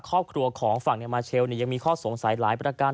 ครอบครัวของฝั่งในมาเชลยังมีข้อสงสัยหลายประการ